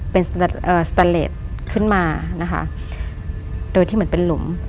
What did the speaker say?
เป็นเอ่อสแตนเลสขึ้นมานะคะโดยที่เหมือนเป็นหลุม